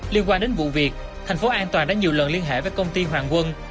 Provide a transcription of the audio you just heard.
liên quan đến vụ việc tp hcm đã nhiều lần liên hệ với công ty hoàng quân